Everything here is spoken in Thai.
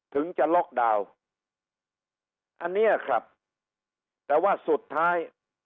ถึงจะล็อกดาวน์อันเนี้ยครับแต่ว่าสุดท้าย